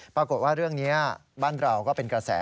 ปรากฏว่าเรื่องนี้บ้านเราก็เป็นกระแส